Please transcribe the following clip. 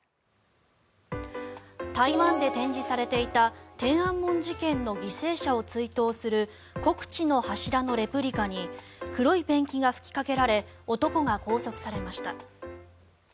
台湾で展示されていた天安門事件の犠牲者を追悼する国恥の柱のレプリカに黒いペンキが吹きかけられ男が拘束されました。